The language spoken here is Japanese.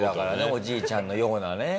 おじいちゃんのようなね。